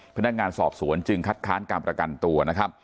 พนักงานสอบสวนจึงคัดค้านการประกันตัวนะครับ